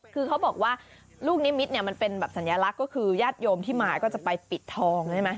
คือเขาบอกว่าลูกนิมิตเนี่ยมันเป็นแบบสัญลักษณ์ก็คือญาติโยมที่มาก็จะไปปิดทองใช่ไหม